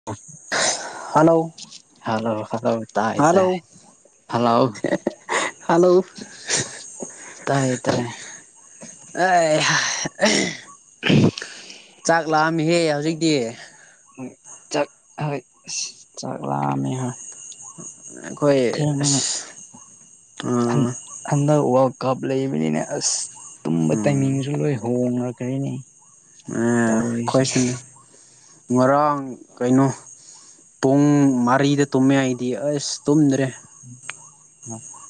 [unintelligible] hello hello hello ꯇꯥꯏ ꯇꯥꯏ hello hello hello ꯇꯥꯏꯌꯦ ꯇꯥꯏꯌꯦ [unintelligible] [inaudible] ꯆꯥꯛ ꯂꯥꯝꯃꯤꯍꯦ ꯍꯧꯖꯤꯛꯇꯤ ꯍꫭꯏ ꯆꯥꯛ ꯍꯣꯏ ꯑꯁ ꯆꯥꯛꯂꯥꯝꯃꯤ ꯍꯣꯏ ꯑꯩꯈꯣꯏ ꯑꯁ ꯊꯦꯡꯕꯅ ꯑꯥ ꯍꯟꯗꯛ ꯋꯥꯔꯜ ꯀꯞ ꯂꯩꯕꯅꯤꯅꯦ ꯑꯁ ꯇꯨꯝꯕ ꯇꯥꯏꯃꯤꯡꯁꯨ ꯂꯣꯏ ꯍꯣꯡꯅꯛꯈꯔꯤꯅꯦ ꯑꯥ ꯈꯣꯏꯁꯨꯅꯦ ꯉꯔꯥꯡ ꯀꯩꯅꯣ ꯄꯨꯡ ꯃꯔꯤꯗ ꯇꯨꯝꯃꯦ ꯑꯩꯗꯤ ꯑꯁ ꯇꯨꯝꯗ꯭ꯔꯦ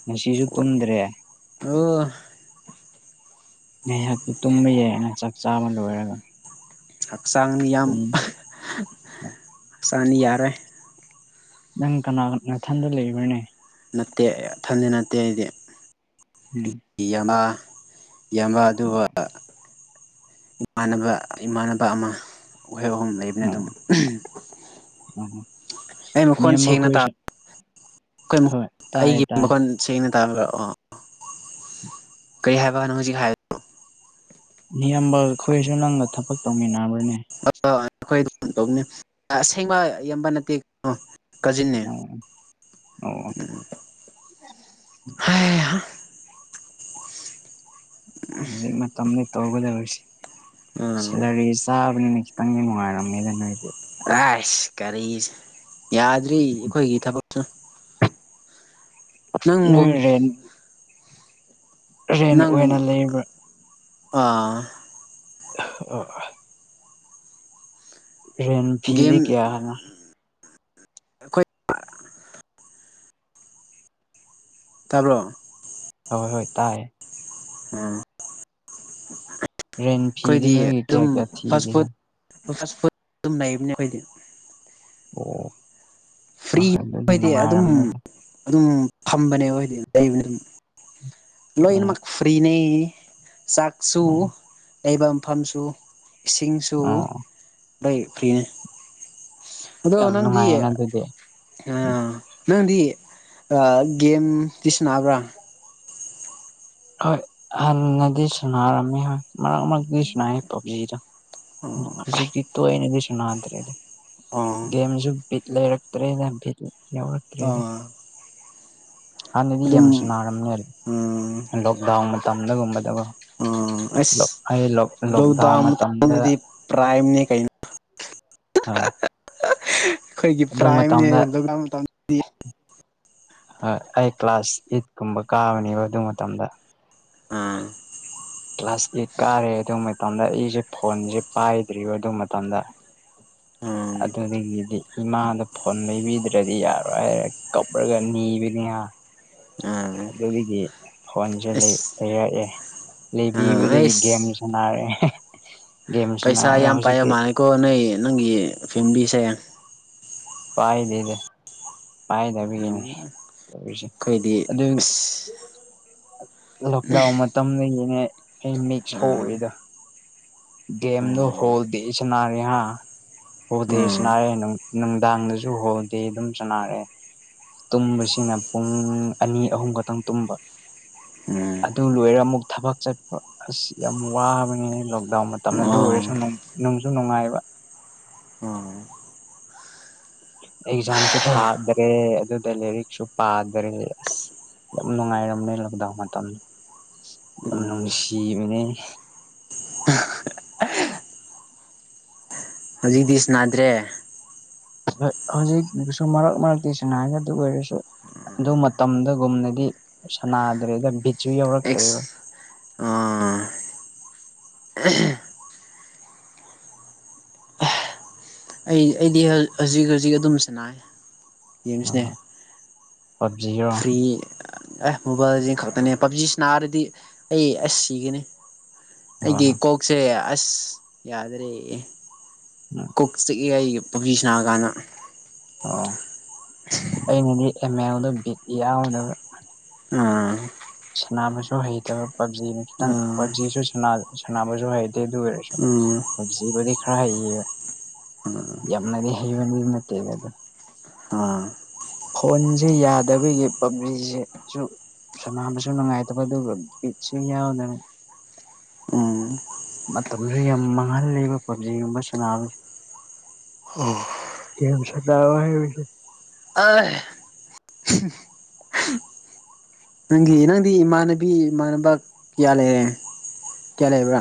ꯉꯁꯤꯁꯨ ꯇꯨꯝꯗ꯭ꯔꯦ ꯑꯣ ꯉꯥꯏꯍꯥꯛꯇꯤ ꯇꯨꯝꯕ ꯌꯥꯏꯅ ꯆꯥꯛ ꯆꯥꯕ ꯂꯣꯏꯔꯒ ꯍꯛꯆꯥꯡꯅꯤ ꯌꯥꯝ ꯄꯨꯡ ꯍꯛꯆꯥꯡꯅꯤ ꯌꯥꯔꯣꯏ ꯅꯪ ꯀꯅꯥ ꯅꯊꯟꯗ ꯂꯩꯕꯅꯦ ꯅꯠꯇꯦ ꯏꯊꯟꯗ ꯅꯠꯇꯦ ꯑꯩꯗꯤ ꯑꯩ ꯎꯝ ꯏꯌꯥꯝꯕ ꯏꯌꯥꯝꯕ ꯑꯗꯨꯒ ꯏꯃꯥꯟꯅꯕ ꯏꯃꯥꯟꯅꯕ ꯑꯃ ꯃꫭꯏ ꯑꯍꯨꯝ ꯂꯩ [unintelligible] ꯑꯗꯨꯝ ꯑꯣ ꯑꯣ ꯑꯩ ꯃꯈꯣꯟ ꯅꯌꯥꯝꯕ ꯁꯦꯡꯅ ꯇꯥ ꯈꯣꯏꯁꯨ ꯀꯩ ꯃꯈꫭꯟ ꯍꯣꯏ ꯇꯥꯏꯌꯦ ꯑꯩꯒꯤ ꯇꯥꯏꯌꯦ ꯃꯈꫭꯟ ꯁꯦꯡꯅ ꯇꯥꯕ꯭ꯔꯥ ꯑꯣ ꯀꯩ ꯍꯥꯏꯕ ꯅꯪ ꯍꯧꯖꯤꯛ ꯍꯥꯏ ꯅꯤꯌꯥꯝꯕ ꯑꯩꯈꯣꯏꯁꯨ ꯅꯪꯒ ꯊꯕꯛ ꯇꯧꯃꯤꯟꯅꯕꯅꯤ ꯑ ꯑꯩꯈꯣꯏ ꯑꯗꯨꯝ ꯇꯧꯅꯦ ꯑꯁꯦꯡꯕ ꯏꯌꯥꯝꯕ ꯅꯠꯇꯦ ꯑ ꯀꯥꯖꯤꯟꯅꯦ ꯑꯣ ꯑꯣ ꯎꯝ ꯍꯤꯏ ꯍꯥꯏ ꯍꯧꯖꯤꯛ ꯃꯇꯝꯗ ꯇꯧꯒꯗꯧꯔꯤꯁꯤ ꯎꯝ ꯁꯦꯂꯔꯤ ꯆꯥꯕꯅꯤꯅ ꯈꯤꯇꯪꯗꯤ ꯅꯨꯡꯉꯥꯏꯔꯝꯃꯦꯗ ꯅꯣꯏꯗꯤ ꯔꯥꯏꯁ ꯀꯔꯤ ꯌꯥꯗ꯭ꯔꯤ ꯑꯩꯈꯣꯏꯒꯤ ꯊꯕꯛ ꯅꯪꯒꯨꯝ ꯅꫭꯏ ꯔꯦꯟ ꯔꯦꯟ ꯅꯪ ꯑꯣꯏꯅ ꯂꯩꯕ꯭ꯔꯥ ꯑꯥ ꯑ [unintelligible] ꯔꯦꯟ ꯒꯦꯝ ꯐꯤꯗꯤ ꯀꯌꯥ ꯍꯥꯏꯅ ꯑꯩꯈꯣꯏ [unintelligible] ꯇꯥꯕ꯭ꯔꯣ ꯍꯣꯏ ꯍꯣꯏ ꯇꯥꯏꯌꯦ ꯑꯥ ꯔꯦꯟ ꯐꯤꯗꯤ ꯈꯣꯏꯗꯤ ꯅꯣꯏꯒꯤ ꯀꯌꯥ ꯑꯗꯨꯝ ꯀꯌꯥ ꯐꯥꯁ ꯊꯤꯒꯦ ꯐꯨꯗ ꯐꯥꯁ ꯐꯨꯗ ꯑꯗꯨꯝ ꯂꯩꯕꯅꯦ ꯑꯩꯈꯣꯏꯗꯤ ꯑꯣ ꯐ꯭ꯔꯤ ꯍꯣꯏ ꯑꯗꯨꯗꯤ ꯈꫭꯏꯗꯤ ꯑꯗꯨꯝ ꯅꯨꯡꯉꯥꯏꯔꯝꯅꯤ ꯑꯗꯨꯝ ꯐꯝꯕꯅꯦꯕ ꯍꫭꯏꯗꯤ ꯂꯩꯕꯅꯤ ꯑꯗꯨꯝ ꯎꯝ ꯂꯣꯏꯅꯃꯛ ꯐ꯭ꯔꯤꯅꯦ ꯆꯥꯛ ꯁꯨ ꯎꯝ ꯂꯩꯕ ꯃꯐꯝꯁꯨ ꯏꯁꯤꯡꯁꯨ ꯑꯣ [unintelligible] ꯐ꯭ꯔꯤꯅꯦ ꯑꯗꯣ ꯌꯥꯝ ꯅꯪꯗꯤ ꯅꯨꯡꯉꯥꯏꯌꯦꯅ ꯑꯗꯨꯗꯤ ꯅꯪꯗꯤ ꯒꯦꯝꯗꯤ ꯁꯅꯥꯕ꯭ꯔꯥ ꯍꯣꯏ ꯍꯅꯗꯤ ꯁꯨꯅꯔꯝꯃꯤ ꯍꯣꯏ ꯃꯔꯛ ꯃꯔꯛꯇ ꯁꯔꯤ ꯄꯕꯖꯤꯗ ꯍꯧꯖꯤꯛꯇꯤ ꯇꯣꯏꯅꯗꯤ ꯁ ꯑꯣ ꯅꯥꯗ꯭ꯔꯦꯗꯤꯦꯝꯁꯨ ꯐꯤꯠ ꯂꯩꯔꯛꯇ꯭ꯔꯦꯅ ꯐꯤꯠ ꯌꯥꯎꯔ ꯑꯥ ꯍꯥꯟꯅꯗꯤ ꯌꯥꯝ ꯑꯗꯨꯝ ꯁꯅꯥꯔꯝꯅꯦ ꯎꯝ ꯂꯣꯛꯗꯥꯎꯟ ꯃꯇꯝꯗꯒꯨꯝꯕꯗꯒ ꯎꯝ ꯂꫭꯛ ꯑꯁ ꯑꯩ ꯂꫭꯛ ꯂꫭꯛꯗꯥꯎꯟ ꯂꯣꯛꯗꯥꯎꯟ ꯃꯇꯝꯗ ꯃꯇꯝꯗꯗꯤ ꯄ꯭ꯔꯥꯏꯝꯅꯦ ꯀꯩꯅꯣ ꯑꯥ ꯑꯩꯈꯣꯏꯒꯤ ꯑꯗꯨ ꯄ꯭ꯔꯥꯏꯝꯅꯦ ꯃꯇꯝꯗ ꯂꯣꯛꯗꯥꯎꯟ ꯃꯇꯝ ꯑꯩ ꯀ꯭ꯂꯥꯁ ꯑꯩꯠ ꯀꯨꯝꯕ ꯀꯥꯕꯅꯦꯕ ꯑꯗꯨ ꯃꯇꯝꯗ ꯑꯝ ꯀ꯭ꯂꯥꯁ ꯑꯦꯠ ꯀꯥꯔꯦ ꯑꯗꯨ ꯃꯇꯝꯗ ꯑꯩꯁꯦ ꯐꯣꯟꯁꯦ ꯄꯥꯏꯗ꯭ꯔꯤꯕ ꯑꯗꯨ ꯃꯇꯝꯗ ꯎꯝ ꯑꯗꯨꯗꯒꯤꯗꯤ ꯏꯃꯥꯗ ꯐꯣꯟ ꯂꯩꯕꯤꯗ꯭ꯔꯗꯤ ꯌꯥꯔꯣꯏ ꯍꯥꯏꯔꯦ ꯀꯞꯔꯒ ꯅꯤꯕꯅꯤꯍ [inaudible] ꯑꯗꯨꯗꯒꯤ ꯐꯣꯟꯁꯦ ꯂꯩ ꯑꯁ ꯂꯩꯔꯛꯑꯦ ꯑꯥ ꯂꯩꯕꯤꯕꯗꯒꯤ ꯒꯦꯝ ꯑꯩꯁ ꯁꯥꯟꯅꯔꯦ ꯒꯦꯝ ꯁꯅꯔꯒ ꯍꯧꯖꯤꯛꯇꯤ ꯀꯣ ꯅꯣꯏ ꯅꯪꯒꯤ ꯐꯦꯃꯤꯂꯤꯁꯦ ꯄꯥꯏꯗꯦꯗ ꯄꯥꯏꯗꯕꯤꯒꯤꯅꯦ ꯑꯩꯈꯣꯏꯗꯤ ꯇꯧꯔꯤꯁꯦ ꯑꯗꯨ ꯑꯁ ꯂꯣꯛꯗꯥꯎꯟ ꯃꯇꯝꯗꯒꯤꯅꯦ ꯑꯩ ꯃꯤꯛ ꯑꯥ ꯁꯣꯛꯔꯤꯗꯣ ꯒꯦꯝꯗꯣ ꯎꯝ ꯍꯣꯜꯗꯦ ꯁꯅꯔꯦꯍ ꯍꯣꯜꯗꯦ ꯎꯝ ꯁꯥꯅꯥꯔꯦ ꯅꯨꯡꯗꯥꯡꯗꯁꯨ ꯍꯣꯜꯗꯦ ꯑꯗꯨꯝ ꯁꯥꯅꯥꯔꯦ ꯇꯨꯝꯕꯁꯤꯅ ꯄꯨꯡ ꯑꯅꯤ ꯑꯍꯨꯝ ꯈꯛꯇꯪ ꯇꯨꯝꯕ ꯎꯝ ꯑꯗꯨ ꯂꯣꯏꯔꯒ ꯑꯃꯨꯛ ꯊꯕꯛ ꯆꯠꯄ ꯑꯁ ꯌꯥꯝ ꯋꯥꯕꯅꯦꯅ ꯂꫭꯛ ꯗꯥꯎꯟ ꯃꯇꯝ ꯑꯗꯨ ꯑꯣ ꯑꯣꯏꯔꯁꯨ ꯅꯨꯡꯁꯨ ꯅꯨꯡꯉꯥꯏꯕ ꯎꯝ ꯑꯦꯛꯖꯥꯝꯁꯨ ꯊꯥꯗꯔꯦ ꯑꯗꯨꯗ ꯂꯥꯏꯔꯤꯛꯁꯨ ꯄꯥꯗꯔꯦ ꯑꯁ ꯌꯥꯝ ꯅꯨꯡꯉꯥꯏꯔꯝꯅꯦ ꯂꯣꯛꯗꯥꯎꯟ ꯃꯇꯝꯗ ꯌꯥꯝ ꯎꯝ ꯅꯨꯡꯁꯤꯕꯅꯦ ꯍꯧꯖꯤꯛꯗꯤ ꯁꯅꯥꯗ꯭ꯔꯦ ꯍꯧꯖꯤꯛꯁꯨ ꯃꯔꯛ ꯃꯔꯛꯇꯤ ꯁꯥꯅꯥꯏ ꯑꯗꯨ ꯑꯣꯏꯔꯁꯨ ꯑꯗꯨ ꯃꯇꯝꯗꯒꯨꯝꯅꯗꯤ ꯁꯅꯥꯗ꯭ꯔꯦꯗ ꯕꯤꯠꯁꯨ ꯑꯦꯛꯁ ꯌꯥꯎꯔꯛꯇ꯭ꯔꯦꯕ ꯑꯥ [unintelligible] ꯑꯩ ꯑꯩꯗꯤ ꯍꯧꯖꯤꯛ ꯍꯧꯖꯤꯛ ꯑꯗꯨꯝ ꯁꯅꯥꯥꯏ ꯒꯦꯝꯁꯅꯦ ꯄꯞꯖꯤꯔꯣ ꯐ꯭ꯔꯤ ꯑꯦ ꯃꯣꯕꯥꯏꯜꯂꯤꯖꯦꯟ ꯈꯛꯇꯅꯦ ꯄꯞꯖꯤ ꯁꯅꯥꯔꯗꯤ ꯑꯩ ꯑꯁ ꯁꯤꯒꯅꯤ ꯑꯩꯒꯤ ꯎꯝ ꯀꯣꯛꯁꯦ ꯑꯁ ꯌꯥꯗ꯭ꯔꯦ [unintelligible] ꯀꯣꯛ ꯆꯤꯛꯑ ꯑꯩꯒꯤ ꯄꯨꯛꯖꯤ ꯁꯥꯅꯥꯔ ꯀꯥꯟꯗ ꯑꯣ ꯑꯩꯅꯗꯤ ꯑꯦꯝ ꯑꯦꯜꯗ ꯕꯤꯠ ꯌꯥꯎꯗꯕ ꯎꯝ ꯁꯥꯟꯅꯕꯁꯨ ꯍꯩꯇꯕ ꯄꯞꯖꯤꯅ ꯈꯤꯇꯪ ꯑꯥ ꯄꯞꯖꯤꯁꯨ ꯁꯥꯟꯅꯕꯁꯨ ꯍꯩꯇꯦ ꯑꯗꯨ ꯑꯣꯏꯔꯁꯨ ꯎꯝ ꯄꯕꯖꯤꯕꯨꯗꯤ ꯈꯔ ꯍꯩꯕ ꯌꯥꯝꯅꯗꯤ ꯍꯩꯕꯃꯤ ꯅꯠꯇꯦꯗ ꯑꯗꯣ ꯑꯥ ꯐꯣꯟꯖꯦ ꯌꯥꯗꯕꯒꯤ ꯄꯕꯤꯖꯤ ꯁꯦꯁꯨ ꯁꯣꯅꯥꯕꯁꯨ ꯅꯨꯡꯉꯥꯏꯇꯕ ꯑꯗꯨꯒ ꯕꯤꯠꯁꯨ ꯌꯥꯎꯗꯕ ꯎꯝ ꯃꯇꯝꯁꯨ ꯌꯥꯝ ꯃꯥꯡꯍꯂꯕ ꯄꯕꯖꯤꯒꯨꯝꯕ ꯁꯅꯥꯕꯁꯦ ꯑꯣ ꯒꯦꯝ ꯁꯅꯧꯋꯣ ꯍꯥꯏꯕꯅꯤ ꯑꯥꯏ ꯅꯪꯒꯤ ꯅꯪꯗꯤ ꯏꯃꯥꯟꯅꯕꯤ ꯏꯃꯥꯟꯅꯕ ꯀꯌꯥ ꯂꯩꯔꯦ ꯀꯌꯥ ꯂꯩꯕ꯭ꯔꯥ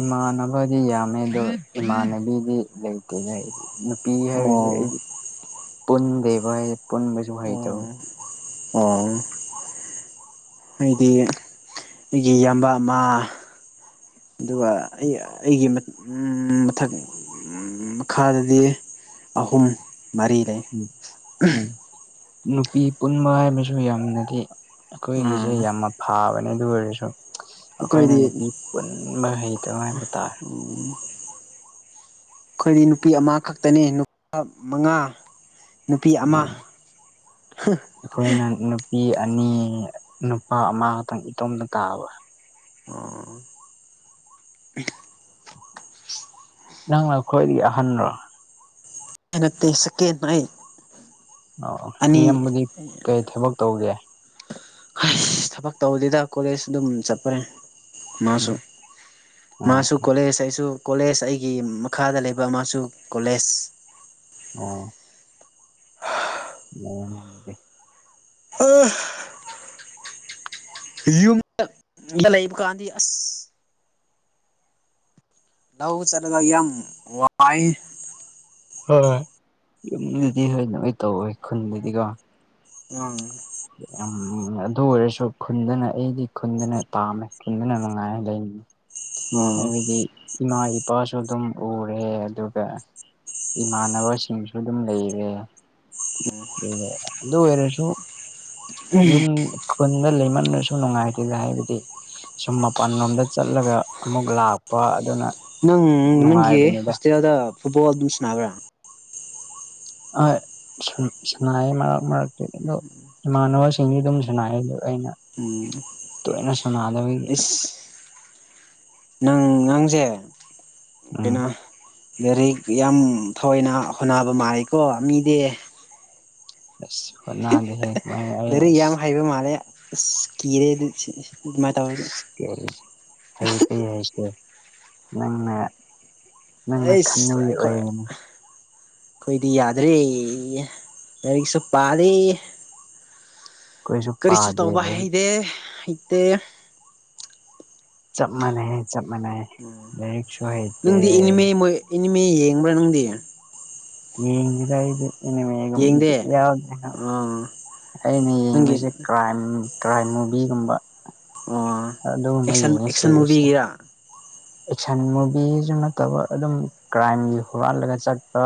ꯏꯃꯥꯟꯅꯕꯗꯤ ꯌꯥꯝꯃꯦ ꯑꯗꯣ ꯏꯃꯥꯟꯅꯕꯤꯗꯤ ꯂꯩꯇꯦꯗ ꯑꯩꯗꯤ ꯅꯨꯄꯤ ꯑꯣ ꯍꯥꯏꯕꯁꯦ ꯑꯩꯗꯤ ꯄꯨꯟꯗꯦꯕ ꯄꯨꯟꯕꯁꯨ ꯍꯩꯇꯕ ꯑꯣ ꯑꯣ ꯑꯩꯗꯤ ꯑꯩꯒꯤ ꯏꯌꯥꯝꯕ ꯑꯃ ꯑꯗꯨꯒ ꯑꯩ ꯑꯩꯒꯤ ꯃꯊꯛ ꯃꯈꯥꯗꯗꯤ ꯑꯍꯨꯝ ꯃꯔꯤ ꯂꯩ ꯎꯝ ꯎꯝ ꯅꯨꯄꯤ ꯄꯨꯟꯕ ꯍꯥꯏ ꯑꯃꯁꯨ ꯌꯥꯝꯅꯗꯤ ꯑꯥ ꯑꯩꯈꯣꯏꯒꯤꯁꯦ ꯌꯥꯝꯅ ꯐꯥꯕꯅꯦ ꯑꯗꯨ ꯑꯣꯏꯔꯁꯨ ꯑꯩꯈꯣꯏꯅ ꯑꯩꯈꯣꯏꯗꯤ ꯅꯨꯄꯤ ꯄꯨꯟꯕ ꯍꯩꯇꯕ ꯍꯥꯏꯕ ꯇꯥꯔꯦ ꯑꯩꯈꯣꯏꯗꯤ ꯅꯨꯄꯤ ꯑꯃ ꯈꯛꯇꯅꯤ ꯅꯨꯄꯥ ꯃꯉꯥ ꯅꯨꯄꯤ ꯑꯃ ꯎꯝ [inaudible] ꯑꯩꯈꯣꯏꯅ ꯅꯨꯄꯤ ꯑꯅꯤ ꯅꯨꯄꯥ ꯑꯃꯈꯇꯪ ꯏꯇꯣꯝꯇ ꯇꯥꯕ ꯑꯣ ꯅꯪꯅ ꯈꯣꯏꯗꯤ ꯑꯍꯟꯔꯣ ꯅꯠꯇꯦ ꯁꯦꯀꯦꯟꯅꯦ ꯑꯣ ꯅꯤꯌꯝꯕꯗꯤ ꯀꯩ ꯊꯕꯛ ꯇꯧꯒꯦ ꯍꯩꯁ ꯊꯕꯛ ꯇꯧꯕꯗꯦꯗ ꯀꯣꯂꯦꯖ ꯑꯗꯨꯝ ꯆꯠꯄꯅꯦ ꯃꯥꯁꯨ ꯎꯝ ꯑꯣ ꯃꯥꯁꯨ ꯀꯣꯂꯦꯁ ꯑꯩꯁꯨ ꯀꯣꯂꯦꯖ ꯑꯩꯒꯤ ꯃꯈꯥꯗ ꯂꯩꯕ ꯑꯃꯁꯨ ꯀꯣꯂꯦꯖ ꯑꯣ [unintelligible] ꯑꯥ ꯌꯨꯝꯗ ꯌꯨꯝꯗ ꯂꯩꯕ ꯀꯥꯟꯗꯤ ꯑꯁ ꯂꯥꯎ ꯆꯂꯒ ꯌꯥꯝ ꯋꯥꯏꯌꯦ ꯍꯣꯏ ꯌꯨꯝꯗꯗꯤ ꯍꯣꯏꯅꯣꯏ ꯇꯧꯋꯦ ꯈꯨꯟꯗꯗꯤꯀꯣ ꯎꯝ ꯎꯝ ꯑꯗꯨ ꯑꯣꯏꯔꯁꯨ ꯈꯨꯟꯗꯅ ꯑꯩꯗꯤ ꯈꯨꯟꯗꯅ ꯄꯥꯝꯃꯦ ꯈꯨꯟꯗꯅ ꯅꯨꯡꯉꯥꯏ ꯂꯩ ꯑꯥ ꯍꯥꯏꯕꯗꯤ ꯏꯃꯥ ꯏꯄꯥꯁꯨ ꯑꯗꯨꯝ ꯎꯔꯦ ꯑꯗꯨꯒ ꯏꯃꯥꯟꯅꯕꯁꯤꯡꯁꯨ ꯑꯗꯨꯝ ꯂꯩꯔꯦ ꯑꯗꯨꯒ ꯑꯗꯨ ꯑꯣꯏꯔꯁꯨ ꯌꯨꯝ ꯈꯨꯟꯗ ꯂꯩꯃꯟ꯭ꯔꯁꯨ ꯅꯨꯡꯉꯥꯏꯇꯦꯗ ꯍꯥꯏꯕꯗꯤ ꯁꯨꯝ ꯃꯄꯥꯟꯂꯣꯝꯗ ꯆꯠꯂꯒ ꯑꯃꯨꯛ ꯂꯥꯛꯄ ꯑꯗꯨꯅ ꯅꯪ ꯅꯪꯒꯤ ꯅꯨꯡꯉꯥꯏꯕꯅꯤꯗ ꯍꯣꯁꯇꯦꯜꯗ ꯐꯨꯠꯕꯣꯜ ꯑꯗꯨꯝ ꯁꯥꯟꯅꯕ꯭ꯔꯥ ꯑꯥ ꯁꯥꯟ ꯁꯥꯟꯅꯩ ꯃꯔꯛ ꯃꯛꯇꯥꯗꯤ ꯑꯗꯣ ꯏꯃꯥꯟꯅꯕꯁꯤꯡꯗꯤ ꯑꯗꯨꯝ ꯁꯟꯅꯥꯏ ꯑꯗꯨ ꯑꯩꯅ ꯎꯝ ꯇꯣꯏꯅ ꯁꯟꯅꯥꯗꯕꯒꯤ ꯏꯁ ꯅꯪ ꯅꯪꯖꯦ ꯎꯝ ꯀꯩꯅꯣ ꯂꯥꯔꯤꯛ ꯌꯥꯝ ꯊꯑꯣꯏꯅ ꯍꯣꯅꯕ ꯃꯥꯜꯂꯤꯀꯣ ꯃꯤꯗꯤ ꯑꯁ ꯍꯣꯠꯅꯗꯦꯍꯦ ꯀꯃꯥꯏꯅ ꯑꯩ ꯗꯔꯤꯛ ꯌꯥꯝ ꯑꯁ ꯍꯩꯕ ꯃꯥꯜꯂꯦ ꯑꯁ ꯀꯤꯔꯦ ꯑꯗꯨ ꯑꯗꯨꯃꯥꯏꯅ ꯇꯧꯔꯒ ꯍꯩꯇꯦ ꯍꯥꯏꯔꯁꯨ ꯅꯪꯅ ꯅꯪꯅ ꯍꯩꯁ ꯈꯟꯕꯒꯤ ꯑꯩꯈꯣꯏ ꯑꯣꯏꯔꯤꯅꯤ ꯑꯩꯈꯣꯏꯗꯤ ꯌꯥꯗ꯭ꯔꯦ ꯂꯥꯏꯔꯤꯛꯁꯨ ꯄꯥꯔꯦ ꯑꯩꯈꯣꯏꯁꯨ ꯀꯔꯤꯁꯨ ꯄꯥꯗꯦ ꯇꯧꯕ ꯍꯩꯗꯦ ꯂꯥꯏꯔꯤꯛꯁꯨ ꯍꯩꯇꯦ ꯆꯞ ꯃꯥꯟꯅꯩꯌꯦ ꯆꯞ ꯃꯥꯟꯅꯩꯌꯦ ꯎꯝ ꯅꯪꯗꯤ ꯏꯅꯤꯃꯦ ꯃꯣꯏ ꯏꯅꯤꯃꯦ ꯌꯦꯡꯕ꯭ꯔꯥ ꯅꯪꯗꯤ ꯌꯦꯡꯗꯦꯗ ꯑꯩꯗꯤ ꯑꯦꯅꯤꯃꯦꯒꯨꯝ ꯌꯦꯡꯗꯦ ꯕꯤꯠ ꯌꯥꯎꯗꯦꯅ ꯑꯥ ꯑꯩꯅ ꯅꯪꯒꯤ ꯌꯦꯡꯕꯁꯦ ꯀ꯭ꯔꯥꯏꯝ ꯇ꯭ꯔꯥꯏ ꯃꯨꯚꯤꯒꯨꯝꯕ ꯑꯣ ꯑꯗꯨꯒꯨꯝꯕ ꯑꯦꯛꯁꯟ ꯌꯦꯡꯉꯦ ꯑꯦꯛꯁꯟ ꯁꯦꯔꯤꯁꯇ ꯃꯨꯚꯤꯒꯤꯔꯥ ꯑꯦꯛꯁꯟ ꯃꯨꯚꯤꯁꯨ ꯅꯠꯇꯕ ꯑꯗꯨꯝ ꯀ꯭ꯔꯥꯏꯝꯒꯤ ꯍꯨꯔꯥꯜꯂꯒ ꯆꯠꯄ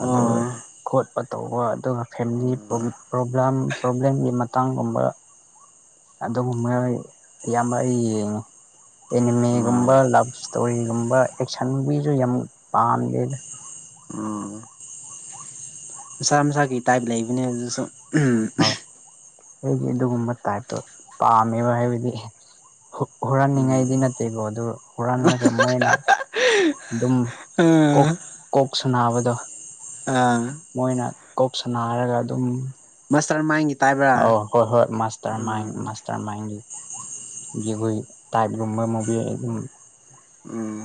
ꯑꯣ ꯑꯗꯨꯒ ꯈꯣꯠꯄ ꯇꯧꯕ ꯑꯗꯨꯒ ꯐꯦꯃꯤꯂꯤ ꯄ꯭ꯔꯣꯕ꯭ꯂꯦꯝ ꯄ꯭ꯔꯣꯕ꯭ꯂꯦꯝꯒꯤ ꯃꯇꯥꯡꯒꯨꯝꯕ ꯑꯗꯨꯒꯨꯝꯕ ꯑꯌꯥꯝꯕ ꯑꯩ ꯌꯦꯡꯉ ꯑꯣ ꯑꯦꯅꯤꯃꯦꯒꯨꯝꯕ ꯂ ꯏꯁꯇꯣꯔꯤꯒꯨꯝꯕ ꯑꯦꯛꯁꯟꯒꯤꯁꯨ ꯌꯥꯝ ꯄꯥꯝꯃꯦꯦꯅ ꯑꯣ ꯃꯁꯥ ꯃꯁꯥꯒꯤꯩ ꯇꯥꯏꯞ ꯂꯩꯕꯅꯦ ꯑꯗꯨꯁꯨ ꯎꯝ ꯑꯩꯒꯤ ꯑꯗꯨꯒꯨꯝꯕ ꯇꯥꯏꯞꯇꯣ ꯄꯥꯝꯃꯦꯕ ꯍꯥꯏꯕꯗꯤ ꯍꯨꯔꯥꯟꯅꯤꯡꯉꯥꯏꯗꯤ ꯅꯠꯇꯦꯀꯣ ꯑꯗꯨ ꯍꯨꯔꯜꯂꯒ ꯃꯣꯏꯅ ꯑꯗꯨꯝ ꯎꯝ ꯀꯣꯛ ꯀꯣꯛ ꯁ ꯅꯥꯕꯗꯣ ꯑꯥ ꯃꯣꯏꯅ ꯀꯣꯛ ꯁꯅ ꯍꯥꯏꯔꯒ ꯑꯗꯨꯝ ꯃꯁꯥ ꯃꯥꯡ ꯑ ꯍꯣꯏ ꯍꯣꯏ ꯃꯥꯇꯔ ꯃꯥꯏ ꯔꯃꯥꯏ ꯌꯦꯏ ꯇꯥꯏꯞꯒꯨꯝꯕ ꯃꯨ ꯎꯝ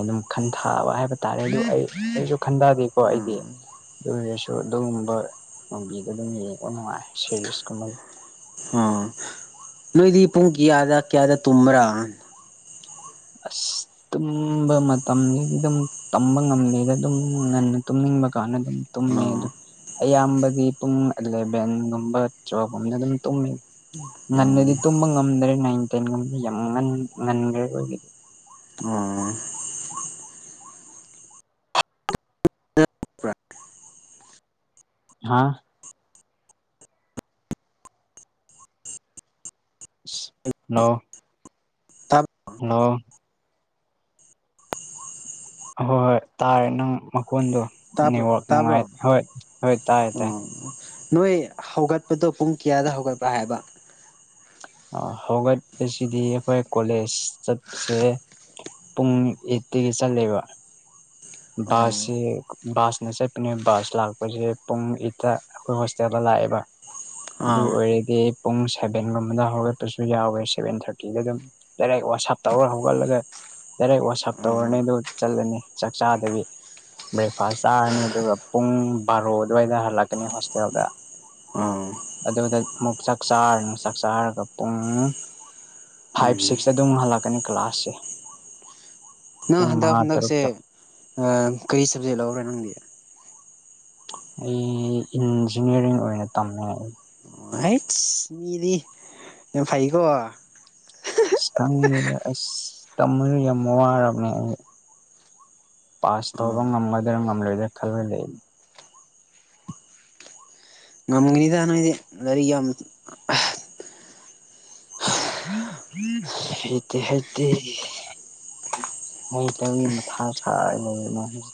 ꯑꯗꯨꯝ ꯈꯟꯊꯕ ꯍꯥꯏꯕ ꯇꯥꯔꯦ ꯑꯗꯨ ꯑꯩ ꯑꯩꯁꯨ ꯈꯟꯊꯗꯦꯀꯣ ꯑꯩꯗꯤ ꯎꯝ ꯑꯗꯨ ꯑꯣꯏꯔꯁꯨ ꯑꯗꯨꯒꯨꯝꯕ ꯃꯨꯕꯤꯗ ꯑꯗꯨꯝ ꯌꯦꯡꯕ ꯅꯨꯡꯉꯥꯏ ꯁꯦꯔꯤꯁꯀꯨꯝꯕꯒꯤ ꯑ ꯅꯣꯏꯗꯤ ꯄꯨꯡ ꯀꯌꯥꯗ ꯀꯌꯥꯗ ꯇꯨꯝ꯭ꯔꯥ ꯑꯁ ꯇꯨꯝꯕ ꯃꯇꯝꯒꯤꯗꯤ ꯑꯗꯨꯝ ꯇꯝꯕ ꯉꯝꯗꯦꯗ ꯑꯗꯨꯝ ꯉꯟꯅ ꯇꯨꯝꯅꯤꯡꯕ ꯀꯥꯟꯗ ꯑꯗꯨꯝ ꯇꯨꯝꯃꯦ ꯑꯗꯨ ꯑꯣ ꯑꯌꯥꯝꯕꯗꯤ ꯄꯨꯡ ꯑꯦꯂꯚꯦꯟꯒꯨꯝꯕ ꯇꯨꯋꯦꯜꯕꯒꯨꯝꯕꯅ ꯑꯗꯨꯝ ꯇꯨꯝꯃꯤ ꯑꯣ ꯉꯟꯅꯗꯤ ꯇꯨꯝꯕ ꯉꯝꯗ꯭ꯔꯦ ꯅꯥꯏꯟ ꯇꯦꯟ ꯉ ꯌꯥꯝ ꯉ ꯉꯟꯈ꯭ꯔꯦ ꯑꯣꯏꯒꯤꯗꯤ ꯑꯣ ꯍꯥꯥ ꯅꯧ ꯇꯞ ꯅ ꯍꯍꯣꯏ ꯍꯣꯏ ꯇꯥꯔꯦ ꯅꯪ ꯃꯈꯣꯟꯗꯣ ꯇꯥꯕ꯭ꯔꯣ ꯅꯦꯠꯋꯥꯛ ꯇꯥꯕ꯭ꯔꯣ ꯅꯨꯡꯉꯥꯏ ꯍꯣꯏ ꯍꯣꯏ ꯇꯥꯏ ꯇꯥꯏ ꯑꯣ ꯅꯣꯏ ꯍꯧꯒꯠꯄꯗꯣ ꯄꯨꯡ ꯀꯌꯥꯗ ꯍꯧꯒꯠꯄ ꯍꯥꯏꯕ ꯍꯧꯒꯠꯄꯁꯤꯗꯤ ꯑꯩꯈꯣꯏ ꯀꯣꯂꯦꯖ ꯆꯠꯁꯦ ꯄꯨꯡ ꯑꯩꯠꯇꯒꯤ ꯆꯠꯂꯦꯕ ꯑꯣ ꯕꯥꯁꯁꯦ ꯕꯥꯁꯅ ꯆꯠꯄꯅꯦ ꯕꯥꯁ ꯂꯥꯛꯄꯁꯦ ꯄꯨꯡ ꯏꯠꯇ ꯑꯩꯈꯣꯏ ꯍꯣꯁꯇꯦꯜꯗ ꯂꯥꯛꯑꯦꯕ ꯑꯗꯨ ꯑꯥ ꯑꯣꯏꯔꯗꯤ ꯄꯨꯡ ꯁꯕꯦꯟ ꯂꯣꯝ ꯑꯃꯗ ꯍꯧꯒꯠꯄꯁꯨ ꯌꯥꯎꯋꯦ ꯁꯚꯦꯟ ꯊꯥꯔꯇꯤꯗ ꯑꯗꯨꯝ ꯗꯥꯏꯔꯦꯛ ꯋꯥꯁꯞ ꯇꯧꯔꯒ ꯍꯧꯒꯠꯂꯒ ꯗꯥꯏꯔꯦꯛ ꯋꯥꯁꯞ ꯇꯧꯔꯅꯤ ꯑꯥ ꯑꯗꯨ ꯆꯠꯂꯅꯤ ꯆꯥꯛ ꯆꯥꯗꯕꯤ ꯕ꯭ꯔꯦꯛꯐꯥꯁ ꯆꯥꯔꯅꯤ ꯑꯗꯨꯒ ꯄꯨꯡ ꯕꯥꯔꯣ ꯑꯗꯨꯋꯥꯏꯗ ꯍꯜꯂꯛꯀꯅꯤ ꯍꯣꯁꯇꯦꯜꯗ ꯑꯥ ꯑꯗꯨꯗ ꯑꯃꯨꯛ ꯆꯥꯛ ꯆꯥꯔꯅꯤ ꯆꯥꯛ ꯆꯥꯔꯒ ꯄꯨꯡ ꯐꯥꯏꯚ ꯎꯝ ꯁꯤꯛꯁꯇ ꯑꯗꯨꯝꯨꯛ ꯍꯜꯂꯛꯀꯅꯤ ꯀ꯭ꯂꯥꯁꯁꯦ ꯅꯪ ꯄꯨꯡ ꯍꯟꯗꯛ ꯃꯉꯥ ꯍꯟꯗꯛꯁꯦ ꯇꯔꯨꯛꯇ ꯀꯔꯤ ꯁꯕꯖꯦꯛ ꯂꯧꯔꯦ ꯅꯪꯗꯤ ꯑꯩ ꯏꯟꯖꯤꯅꯤꯌꯥꯔꯤꯡ ꯑꯣꯏꯅ ꯇꯝꯃꯦ ꯑꯩ ꯑꯥꯏꯠꯁ ꯃꯤꯗꯤ ꯐꯥꯏꯀꯣ ꯈꯪꯉꯦꯅ ꯑꯁ ꯇꯝꯃꯅ ꯌꯥꯝ ꯋꯥꯔꯕꯅꯦ ꯑꯩ ꯄꯥꯁ ꯇꯧꯕ ꯉꯝꯒꯗ꯭ꯔ ꯉꯝꯂꯣꯏꯗ ꯈꯜꯂ ꯂꯩ ꯉꯝꯒꯅꯤꯗ ꯅꯣꯏꯗꯤ ꯂꯥꯏꯔꯤꯛ ꯌꯥꯝ [unintelligible] ꯍꯩꯇꯕꯤ ꯃꯊꯥ ꯁꯥꯕꯁ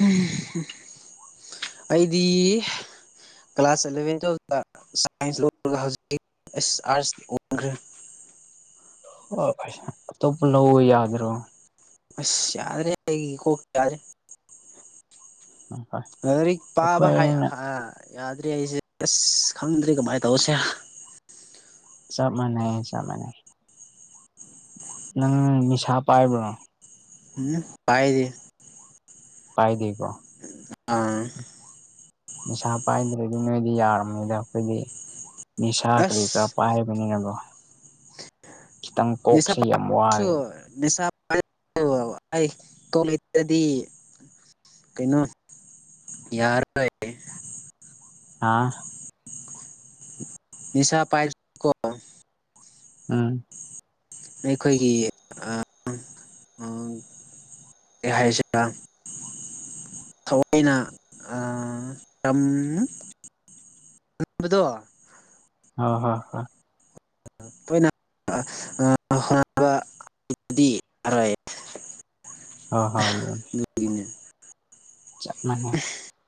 ꯎꯝ ꯑꯩꯗꯤ ꯀ꯭ꯂꯥꯁ ꯑꯦꯂꯚꯦꯟ ꯇꯨꯌꯦꯜꯇ ꯁꯥꯏꯟꯁꯔꯒ ꯍꯧꯖꯤꯛ ꯎꯁ ꯑꯥꯔꯠꯁ ꯑꯣꯟꯈ꯭ꯔꯦ ꯑꯣꯁ ꯑꯇꯣꯞꯄ ꯂꯧ ꯌꯥꯗ꯭ꯔꯣ [unintelligible] ꯂꯥꯏꯔꯤꯛ ꯄꯥꯕ ꯑꯩꯈꯣꯏꯅ ꯌꯥꯗ꯭ꯔꯦ ꯑꯩꯁꯦ ꯑꯁ ꯈꯪꯗ꯭ꯔꯤ ꯀꯃꯥꯏꯅ ꯇꯧꯁꯦ ꯆꯞ ꯃꯥꯟꯅꯩ ꯆꯞ ꯃꯥꯟꯅꯩ ꯅꯪ ꯅꯤꯁꯥ ꯄꯥꯏꯕ꯭ꯔꯣ ꯎꯝ ꯄꯥꯏꯗꯦ ꯄꯥꯏꯗꯀꯣ ꯑꯥ ꯅꯤꯁꯥ ꯄꯥꯏꯗ꯭ꯔꯗꯤ ꯅꯣꯏꯗꯤ ꯌꯥꯔꯝꯅꯤꯗ ꯑꯩꯈꯣꯏꯗꯤ ꯅꯤꯁꯥ ꯀꯔꯤ ꯀꯔꯥ ꯑꯁ ꯄꯥꯏꯕꯅꯤꯅꯕꯣ ꯅꯤꯁꯥ ꯄꯁꯨ ꯋꯥꯔꯦ ꯅꯤꯁꯥ ꯑꯩ ꯇꯣꯜꯂꯤꯗꯗꯤ ꯀꯩꯅꯣ ꯌꯥꯔꯔꯣꯏ ꯍꯥꯥ ꯅꯁꯥ ꯄꯥꯏ ꯀꯣ ꯎꯝ ꯑꯩꯈꯣꯏꯒꯤ [unintelligible] ꯊꯋꯥꯏꯅꯥ ꯇꯝ [unintelligible] ꯍ ꯍꯣꯏ ꯍꯣꯏ [unintelligible] [unintelligible] ꯑꯗꯨꯒꯤꯅꯤ ꯆꯞ ꯃꯥꯟꯅꯩ